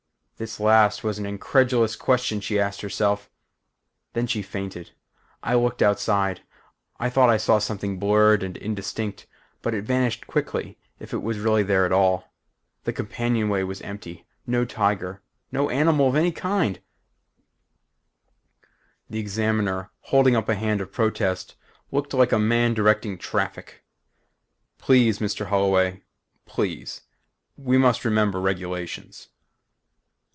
_' This last was an incredulous question she asked herself. Then she fainted. I looked outside. I thought I saw something blurred and indistinct but it vanished quickly if it was really there at all. The companionway was empty. No tiger. No animal of any kind " The Examiner, holding up a hand of protest, looked like a man directing traffic. "Please, Mr. Holloway please. We must remember regulations."